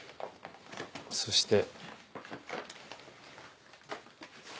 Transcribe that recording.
そして。